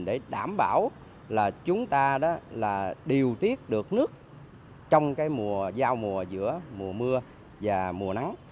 để đảm bảo chúng ta điều tiết được nước trong giao mùa giữa mùa mưa và mùa nắng